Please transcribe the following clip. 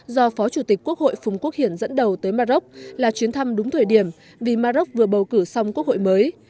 do phó chủ tịch quốc hội phùng quốc hiển dẫn đầu tới maroc là chuyến thăm đúng thời điểm vì maroc vừa bầu cử xong quốc hội mới